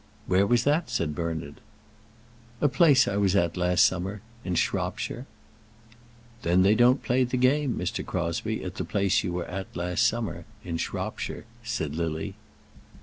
"Where was that?" said Bernard. "A place I was at last summer, in Shropshire." "Then they don't play the game, Mr. Crosbie, at the place you were at last summer, in Shropshire," said Lily.